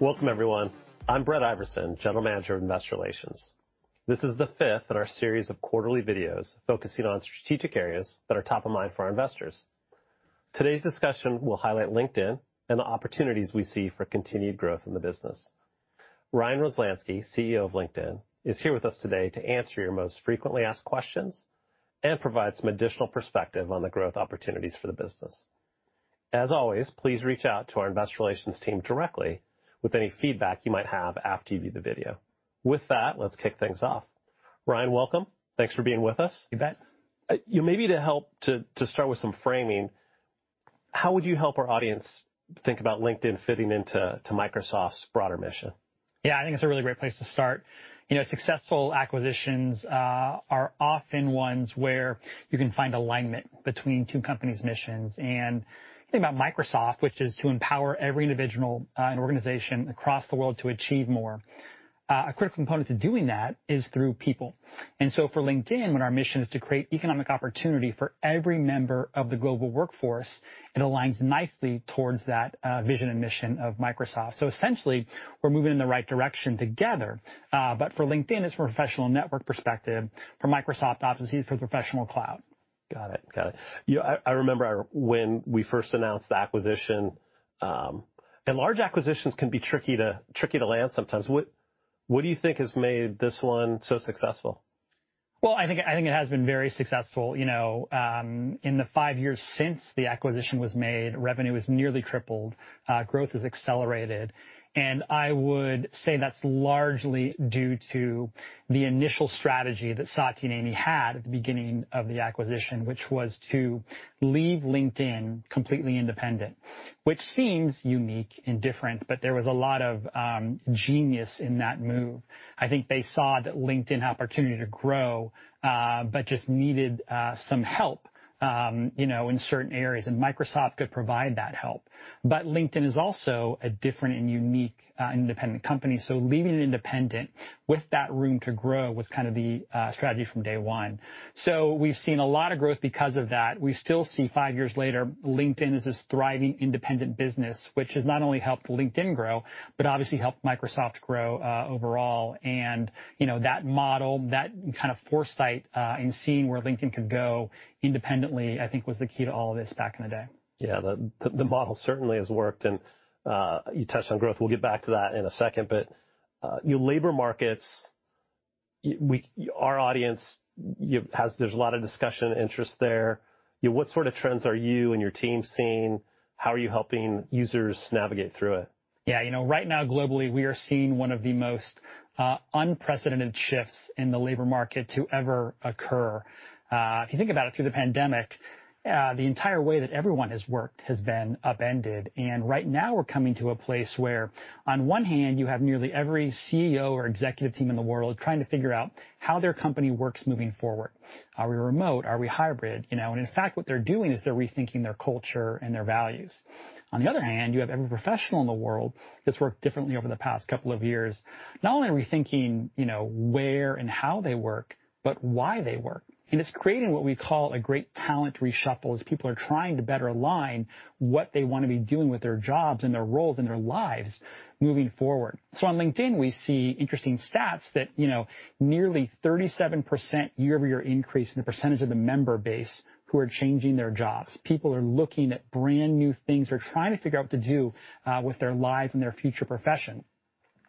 Welcome everyone. I'm Brett Iversen, General Manager of Investor Relations. This is the fifth in our series of quarterly videos focusing on strategic areas that are top of mind for our investors. Today's discussion will highlight LinkedIn and the opportunities we see for continued growth in the business. Ryan Roslansky, CEO of LinkedIn, is here with us today to answer your most frequently asked questions and provide some additional perspective on the growth opportunities for the business. As always, please reach out to our Investor Relations team directly with any feedback you might have after you view the video. With that, let's kick things off. Ryan, welcome. Thanks for being with us. You bet. You know, maybe to help to start with some framing, how would you help our audience think about LinkedIn fitting into Microsoft's broader mission? Yeah, I think it's a really great place to start. You know, successful acquisitions are often ones where you can find alignment between two companies' missions. If you think about Microsoft, which is to empower every individual and organization across the world to achieve more. A critical component to doing that is through people. For LinkedIn, when our mission is to create economic opportunity for every member of the global workforce, it aligns nicely towards that vision and mission of Microsoft. Essentially, we're moving in the right direction together. For LinkedIn it's from a professional network perspective, for Microsoft obviously it's for the professional cloud. Got it. You know, I remember when we first announced the acquisition, and large acquisitions can be tricky to land sometimes. What do you think has made this one so successful? Well, I think it has been very successful. You know, in the five years since the acquisition was made, revenue has nearly tripled, growth has accelerated, and I would say that's largely due to the initial strategy that Satya and Amy had at the beginning of the acquisition, which was to leave LinkedIn completely independent, which seems unique and different, but there was a lot of genius in that move. I think they saw that LinkedIn had opportunity to grow, but just needed some help, you know, in certain areas, and Microsoft could provide that help. But LinkedIn is also a different and unique independent company, so leaving it independent with that room to grow was kind of the strategy from day one. We've seen a lot of growth because of that. We still see five years later LinkedIn as this thriving, independent business, which has not only helped LinkedIn grow, but obviously helped Microsoft grow, overall. You know, that model, that kind of foresight, in seeing where LinkedIn could go independently, I think was the key to all of this back in the day. Yeah. The model certainly has worked, and you touched on growth. We'll get back to that in a second. You know, labor markets, our audience, there's a lot of discussion, interest there. You know, what sort of trends are you and your team seeing? How are you helping users navigate through it? Yeah. You know, right now, globally, we are seeing one of the most unprecedented shifts in the labor market to ever occur. If you think about it, through the pandemic, the entire way that everyone has worked has been upended. Right now we're coming to a place where on one hand you have nearly every CEO or executive team in the world trying to figure out how their company works moving forward. Are we remote? Are we hybrid? You know, and in fact, what they're doing is they're rethinking their culture and their values. On the other hand, you have every professional in the world that's worked differently over the past couple of years, not only rethinking, you know, where and how they work, but why they work. It's creating what we call a great talent reshuffle as people are trying to better align what they want to be doing with their jobs and their roles and their lives moving forward. On LinkedIn, we see interesting stats that, you know, nearly 37% year-over-year increase in the percentage of the member base who are changing their jobs. People are looking at brand-new things. They're trying to figure out what to do with their life and their future profession,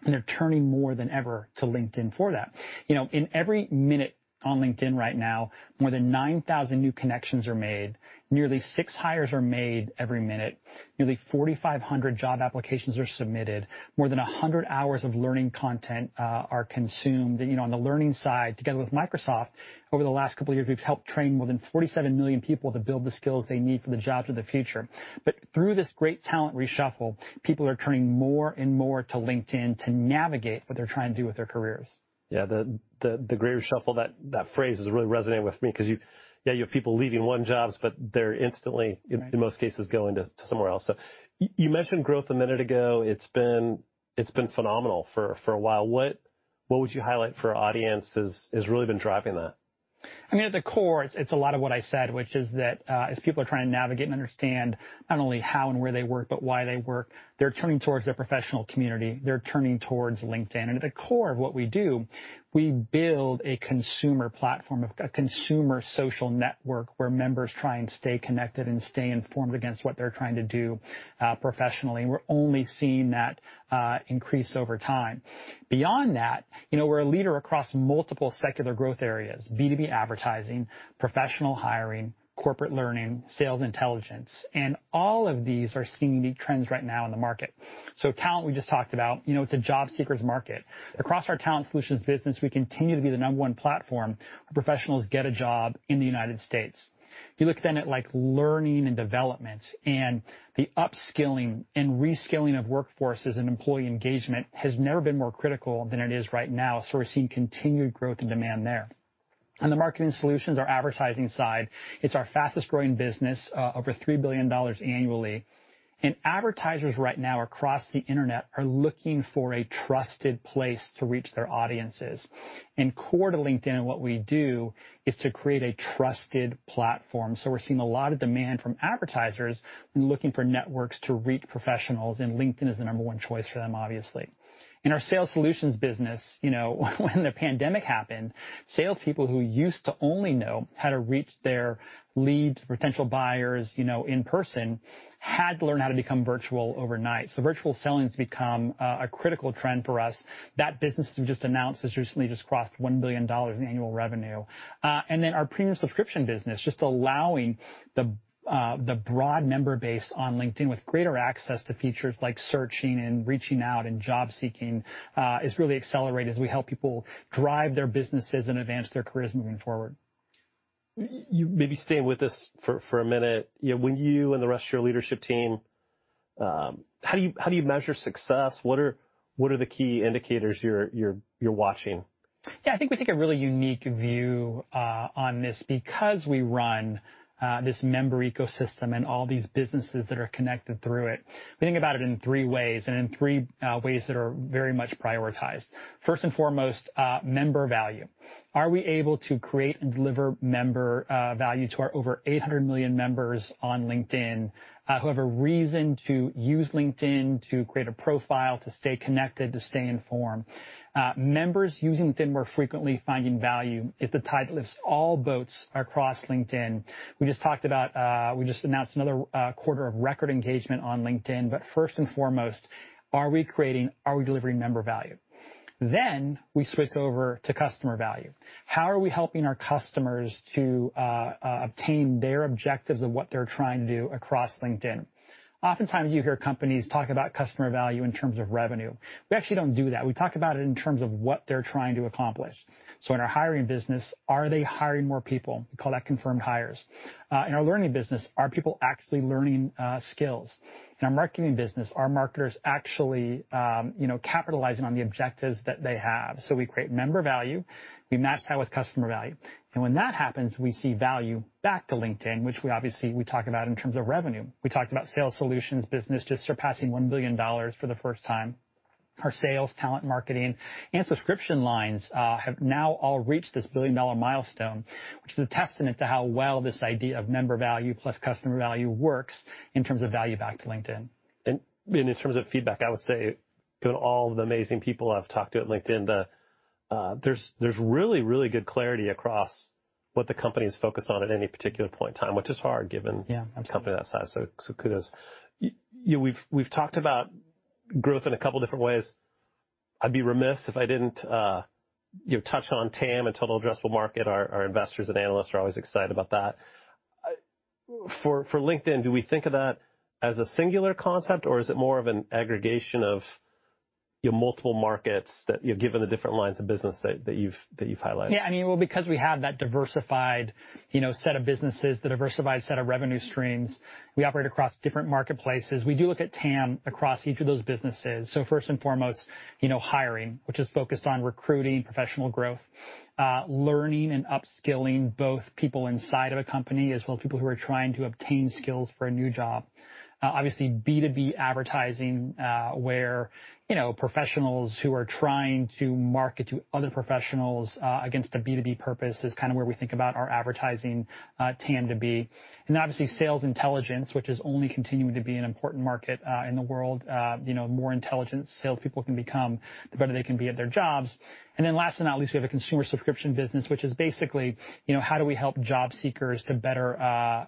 and they're turning more than ever to LinkedIn for that. You know, in every minute on LinkedIn right now, more than 9,000 new connections are made. Nearly six hires are made every minute. Nearly 4,500 job applications are submitted. More than 100 hours of learning content are consumed. You know, on the learning side, together with Microsoft, over the last couple of years, we've helped train more than 47 million people to build the skills they need for the jobs of the future. Through this great talent reshuffle, people are turning more and more to LinkedIn to navigate what they're trying to do with their careers. The great reshuffle, that phrase is really resonating with me 'cause you have people leaving their jobs, but they're instantly- Right -in most cases, going to somewhere else. You mentioned growth a minute ago. It's been phenomenal for a while. What would you highlight for our audience as really been driving that? I mean, at the core, it's a lot of what I said, which is that, as people are trying to navigate and understand not only how and where they work, but why they work, they're turning towards their professional community, they're turning towards LinkedIn. At the core of what we do, we build a consumer platform, a consumer social network where members try and stay connected and stay informed against what they're trying to do, professionally, and we're only seeing that increase over time. Beyond that, you know, we're a leader across multiple secular growth areas, B2B advertising, professional hiring, corporate learning, sales intelligence, and all of these are seeing unique trends right now in the market. Talent we just talked about, you know, it's a job seeker's market. Across our talent solutions business, we continue to be the number one platform where professionals get a job in the United States. If you look then at, like, learning and development and the upskilling and reskilling of workforces, employee engagement has never been more critical than it is right now. We're seeing continued growth and demand there. On the marketing solutions, our advertising side, it's our fastest-growing business over $3 billion annually. Advertisers right now across the internet are looking for a trusted place to reach their audiences. Core to LinkedIn and what we do is to create a trusted platform. We're seeing a lot of demand from advertisers in looking for networks to reach professionals, and LinkedIn is the number one choice for them, obviously. In our sales solutions business, you know, when the pandemic happened, salespeople who used to only know how to reach their leads, potential buyers, you know, in person, had to learn how to become virtual overnight. Virtual selling has become a critical trend for us. That business we've just announced has recently just crossed $1 billion in annual revenue. Our premium subscription business, just allowing the broad member base on LinkedIn with greater access to features like searching and reaching out and job seeking, has really accelerated as we help people drive their businesses and advance their careers moving forward. You may be staying with us for a minute. You know, when you and the rest of your leadership team, how do you measure success? What are the key indicators you're watching? Yeah. I think we take a really unique view on this because we run this member ecosystem and all these businesses that are connected through it. We think about it in three ways that are very much prioritized. First and foremost, member value. Are we able to create and deliver member value to our over 800 million members on LinkedIn who have a reason to use LinkedIn to create a profile, to stay connected, to stay informed? Members using LinkedIn more frequently, finding value is the tide that lifts all boats across LinkedIn. We just talked about, we just announced another quarter of record engagement on LinkedIn. First and foremost, are we creating, are we delivering member value? Then we switch over to customer value. How are we helping our customers to obtain their objectives of what they're trying to do across LinkedIn? Oftentimes, you hear companies talk about customer value in terms of revenue. We actually don't do that. We talk about it in terms of what they're trying to accomplish. In our hiring business, are they hiring more people? We call that confirmed hires. In our learning business, are people actually learning skills? In our marketing business, are marketers actually, you know, capitalizing on the objectives that they have? We create member value, we match that with customer value, and when that happens, we see value back to LinkedIn, which we obviously talk about in terms of revenue. We talked about sales solutions business just surpassing $1 billion for the first time. Our sales, talent, marketing, and subscription lines have now all reached this billion-dollar milestone, which is a testament to how well this idea of member value plus customer value works in terms of value back to LinkedIn. In terms of feedback, I would say to all the amazing people I've talked to at LinkedIn, there's really good clarity across what the company is focused on at any particular point in time, which is hard given Yeah. Absolutely. - a company that size. Kudos. We've talked about growth in a couple different ways. I'd be remiss if I didn't, you know, touch on TAM and total addressable market. Our investors and analysts are always excited about that. For LinkedIn, do we think of that as a singular concept, or is it more of an aggregation of, you know, multiple markets that, you know, given the different lines of business that you've highlighted? Yeah, I mean, well, because we have that diversified, you know, set of businesses, the diversified set of revenue streams, we operate across different marketplaces. We do look at TAM across each of those businesses. First and foremost, you know, hiring, which is focused on recruiting, professional growth, learning and upskilling both people inside of a company as well as people who are trying to obtain skills for a new job. Obviously B2B advertising, where, you know, professionals who are trying to market to other professionals, against a B2B purpose is kinda where we think about our advertising, TAM to be. Obviously, sales intelligence, which is only continuing to be an important market, in the world. You know, more intelligent salespeople can become, the better they can be at their jobs. Then last but not least, we have a consumer subscription business, which is basically, you know, how do we help job seekers to better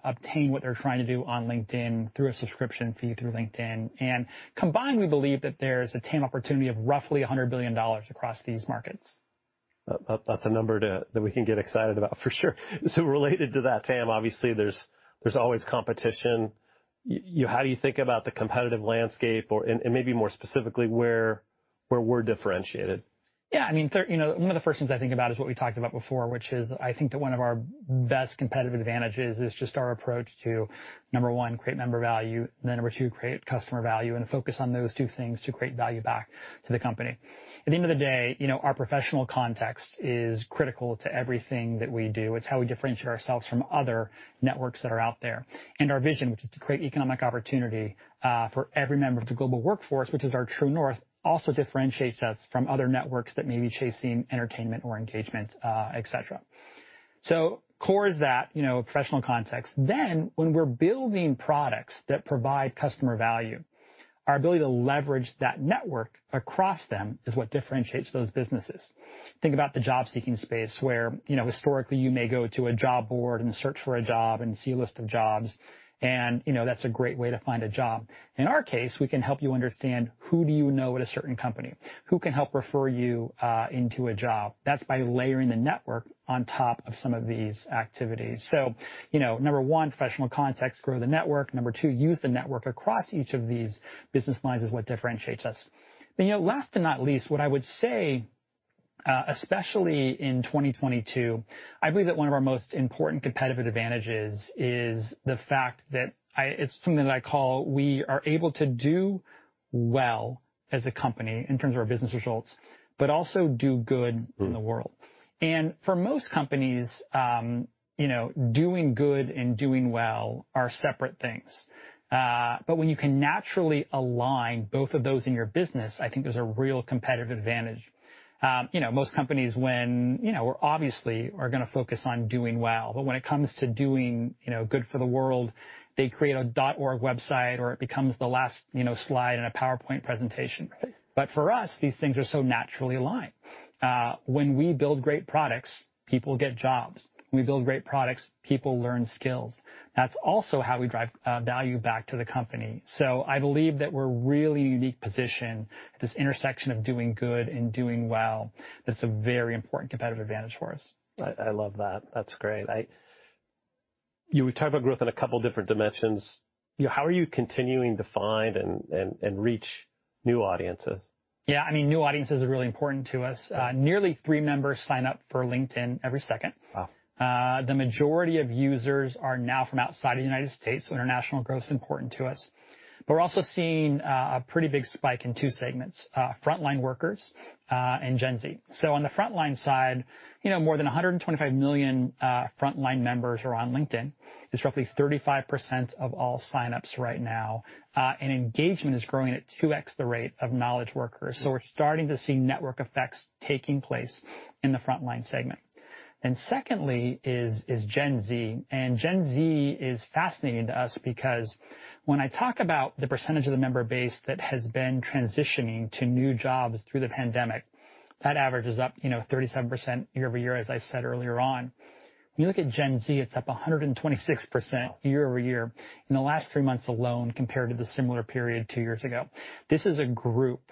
obtain what they're trying to do on LinkedIn through a subscription fee through LinkedIn. Combined, we believe that there's a TAM opportunity of roughly $100 billion across these markets. That's a number that we can get excited about for sure. Related to that, TAM, obviously there's always competition. How do you think about the competitive landscape or, and maybe more specifically, where we're differentiated? Yeah, I mean, you know, one of the first things I think about is what we talked about before, which is, I think that one of our best competitive advantages is just our approach to, number one, create member value, and then number two, create customer value and focus on those two things to create value back to the company. At the end of the day, you know, our professional context is critical to everything that we do. It's how we differentiate ourselves from other networks that are out there. Our vision, which is to create economic opportunity for every member of the global workforce, which is our true north, also differentiates us from other networks that may be chasing entertainment or engagement, et cetera. Core is that, you know, professional context. When we're building products that provide customer value, our ability to leverage that network across them is what differentiates those businesses. Think about the job-seeking space where, you know, historically you may go to a job board and search for a job and see a list of jobs and, you know, that's a great way to find a job. In our case, we can help you understand who do you know at a certain company, who can help refer you into a job. That's by layering the network on top of some of these activities. You know, number one, professional context, grow the network. Number two, use the network across each of these business lines is what differentiates us. Last and not least, what I would say, especially in 2022, I believe that one of our most important competitive advantages is the fact that it's something that I call we are able to do well as a company in terms of our business results, but also do good in the world. For most companies, doing good and doing well are separate things. When you can naturally align both of those in your business, I think there's a real competitive advantage. Most companies are obviously gonna focus on doing well, but when it comes to doing good for the world, they create a .org website or it becomes the last slide in a PowerPoint presentation. Right. For us, these things are so naturally aligned. When we build great products, people get jobs. When we build great products, people learn skills. That's also how we drive value back to the company. I believe that we're in a really unique position at this intersection of doing good and doing well. That's a very important competitive advantage for us. I love that. That's great. You were talking about growth in a couple different dimensions. You know, how are you continuing to find and reach new audiences? Yeah. I mean, new audiences are really important to us. Yeah. Nearly three members sign up for LinkedIn every second. Wow. The majority of users are now from outside of the United States, so international growth is important to us. We're also seeing a pretty big spike in two segments, Frontline Workers, and Gen Z. On the frontline side, you know, more than 125 million frontline members are on LinkedIn. It's roughly 35% of all signups right now. Engagement is growing at 2x the rate of knowledge workers. We're starting to see network effects taking place in the Frontline segment. Secondly is Gen Z. Gen Z is fascinating to us because when I talk about the percentage of the member base that has been transitioning to new jobs through the pandemic, that average is up, you know, 37% year-over-year, as I said earlier on. When you look at Gen Z, it's up 126% year-over-year in the last three months alone compared to the similar period two years ago. This is a group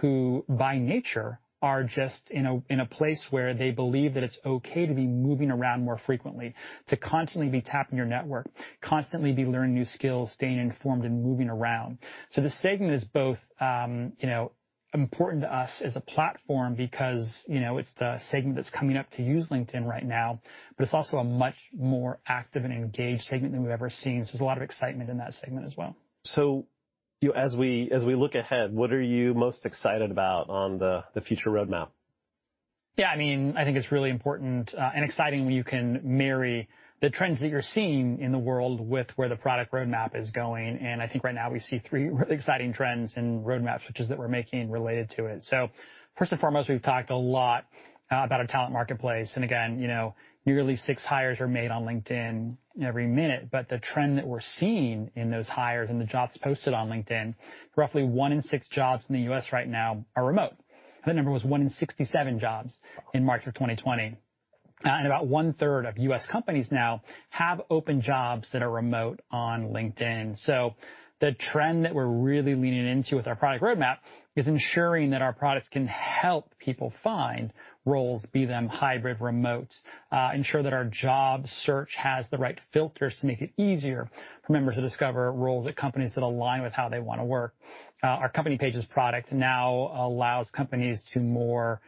who by nature are just in a place where they believe that it's okay to be moving around more frequently, to constantly be tapping your network, constantly be learning new skills, staying informed, and moving around. This segment is both, you know, important to us as a platform because, you know, it's the segment that's coming up to use LinkedIn right now, but it's also a much more active and engaged segment than we've ever seen. There's a lot of excitement in that segment as well. You know, as we look ahead, what are you most excited about on the future roadmap? Yeah, I mean, I think it's really important and exciting when you can marry the trends that you're seeing in the world with where the product roadmap is going. I think right now we see three really exciting trends and roadmaps, which is that we're making related to it. First and foremost, we've talked a lot about our talent marketplace, and again, you know, nearly six hires are made on LinkedIn every minute. The trend that we're seeing in those hires and the jobs posted on LinkedIn, roughly 1 in 6 jobs in the U.S. right now are remote. That number was 1 in 67 jobs in March of 2020. About 1/3 of U.S. companies now have open jobs that are remote on LinkedIn. The trend that we're really leaning into with our product roadmap is ensuring that our products can help people find roles, be them hybrid, remote, ensure that our job search has the right filters to make it easier for members to discover roles at companies that align with how they wanna work. Our company pages product now allows companies to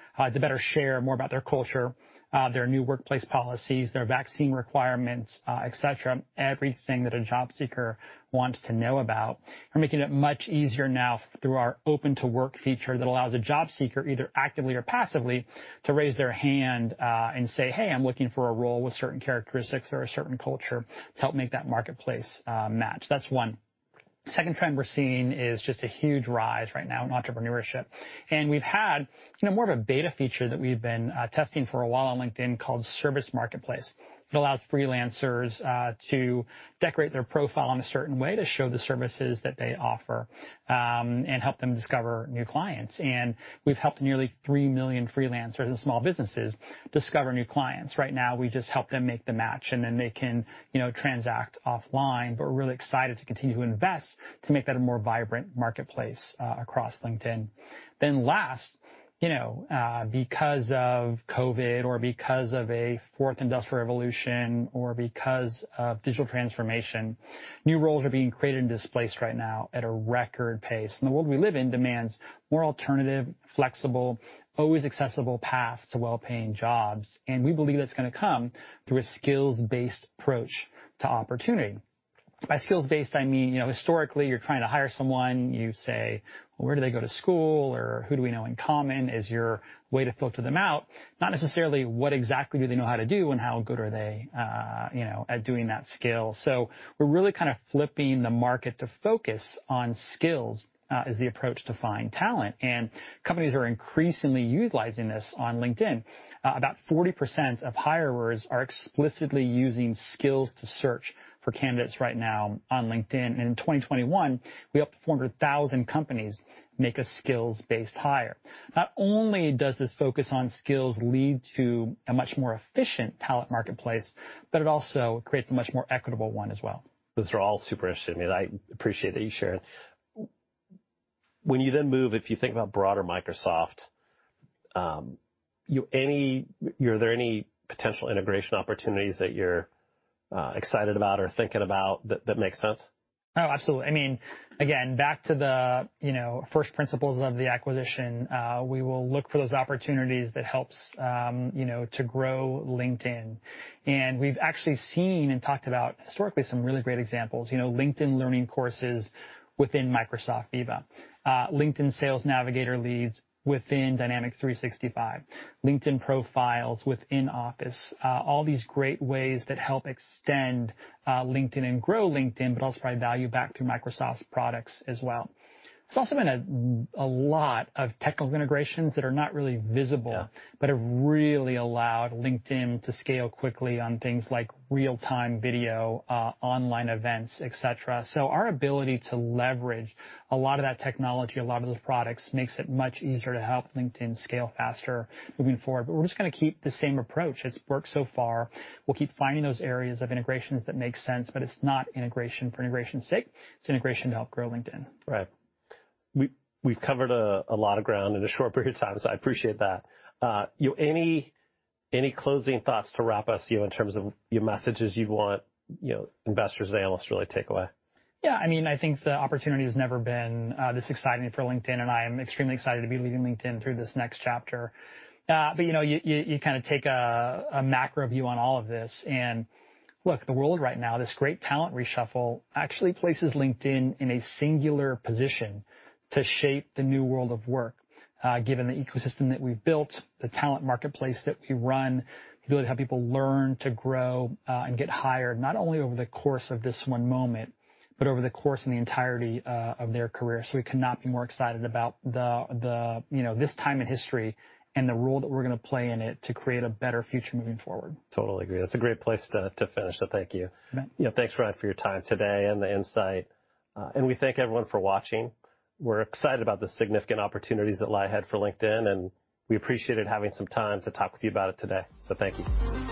better share more about their culture, their new workplace policies, their vaccine requirements, et cetera, everything that a job seeker wants to know about. We're making it much easier now through our Open to Work feature that allows a job seeker, either actively or passively, to raise their hand, and say, "Hey, I'm looking for a role with certain characteristics or a certain culture," to help make that marketplace match. That's one. Second trend we're seeing is just a huge rise right now in entrepreneurship. We've had, you know, more of a beta feature that we've been testing for a while on LinkedIn called Service Marketplace. It allows freelancers to decorate their profile in a certain way to show the services that they offer and help them discover new clients. We've helped nearly 3 million freelancers and small businesses discover new clients. Right now, we just help them make the match, and then they can, you know, transact offline. We're really excited to continue to invest to make that a more vibrant marketplace across LinkedIn. Last, you know, because of COVID or because of a fourth industrial revolution or because of digital transformation, new roles are being created and displaced right now at a record pace. The world we live in demands more alternative, flexible, always accessible paths to well-paying jobs, and we believe that's gonna come through a skills-based approach to opportunity. By skills-based, I mean, you know, historically you're trying to hire someone, you say, "Where do they go to school?" Or, "Who do we know in common?" is your way to filter them out, not necessarily what exactly do they know how to do and how good are they, you know, at doing that skill. We're really kind of flipping the market to focus on skills, as the approach to find talent, and companies are increasingly utilizing this on LinkedIn. About 40% of hirers are explicitly using skills to search for candidates right now on LinkedIn. In 2021, we helped 400,000 companies make a skills-based hire. Not only does this focus on skills lead to a much more efficient talent marketplace, but it also creates a much more equitable one as well. Those are all super interesting, and I appreciate that you shared. When you then move, if you think about broader Microsoft, are there any potential integration opportunities that you're excited about or thinking about that makes sense? Oh, absolutely. I mean, again, back to the, you know, first principles of the acquisition, we will look for those opportunities that helps, you know, to grow LinkedIn. We've actually seen and talked about historically some really great examples. You know, LinkedIn Learning courses within Microsoft Viva. LinkedIn Sales Navigator leads within Dynamics 365. LinkedIn profiles within Office. All these great ways that help extend, LinkedIn and grow LinkedIn, but also provide value back to Microsoft's products as well. There's also been a lot of technical integrations that are not really visible. Yeah. have really allowed LinkedIn to scale quickly on things like real-time video, online events, et cetera. Our ability to leverage a lot of that technology, a lot of those products, makes it much easier to help LinkedIn scale faster moving forward. We're just gonna keep the same approach. It's worked so far. We'll keep finding those areas of integrations that make sense, but it's not integration for integration's sake. It's integration to help grow LinkedIn. Right. We've covered a lot of ground in a short period of time, so I appreciate that. You know, any closing thoughts to wrap us, you know, in terms of your messages you'd want, you know, investors and analysts really take away? Yeah. I mean, I think the opportunity has never been this exciting for LinkedIn, and I am extremely excited to be leading LinkedIn through this next chapter. You know, you kind of take a macro view on all of this, and look, the world right now, this great talent reshuffle actually places LinkedIn in a singular position to shape the new world of work, given the ecosystem that we've built, the talent marketplace that we run, the ability to have people learn to grow, and get hired, not only over the course of this one moment, but over the course and the entirety of their career. We could not be more excited about the, you know, this time in history and the role that we're gonna play in it to create a better future moving forward. Totally agree. That's a great place to finish, so thank you. You bet. You know, thanks, Ryan, for your time today and the insight. We thank everyone for watching. We're excited about the significant opportunities that lie ahead for LinkedIn, and we appreciated having some time to talk with you about it today. Thank you.